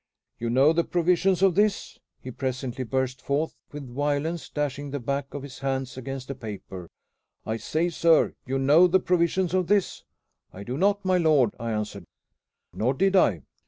"You know the provisions of this?" he presently burst forth with violence, dashing the back of his hand against the paper. "I say, sir, you know the provisions of this?" "I do not, my lord," I answered. Nor did I.